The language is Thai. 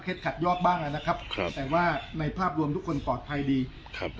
ขัดยอกบ้างนะครับครับแต่ว่าในภาพรวมทุกคนปลอดภัยดีครับ